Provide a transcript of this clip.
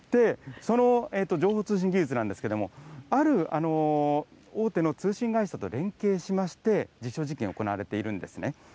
その情報通信技術なんですけれども、ある大手の通信会社と連携しまして、実証実験、行われているんですね。